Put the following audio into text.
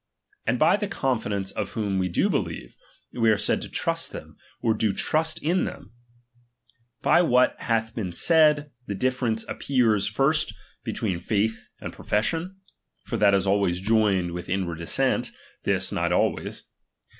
And ' by the confidence of whom we do believe, we are said to (rust them, or to trust in thevi. By what hath been said, the difference appears, first, be tween fatth and profession ; for that is always joined with inward assent ; this not always.